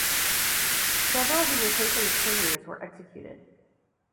Several who were taken as prisoners were executed.